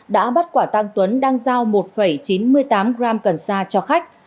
đã bắt quả tăng tuấn đang giao một chín mươi tám gram cần sa cho khách